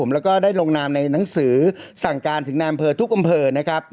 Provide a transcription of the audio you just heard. และได้ลงนามในหนังสือสั่งการถึงนานอำเภอทุกอำเภอ